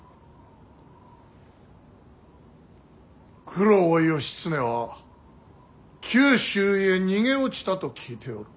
九郎義経は九州へ逃げ落ちたと聞いておる。